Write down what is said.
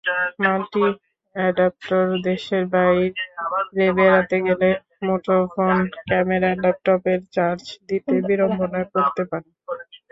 Multi অ্যাডাপ্টরদেশের বাইরে বেড়াতে গেলে মুঠোফোন, ক্যামেরা, ল্যাপটপের চার্জ দিতে বিড়ম্বনায় পড়তে পারেন।